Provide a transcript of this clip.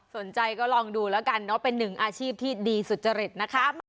สนใจก็ลองดูแล้วกันเนอะเป็นหนึ่งอาชีพที่ดีสุจริตนะคะ